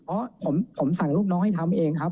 เพราะผมสั่งลูกน้องให้ทำเองครับ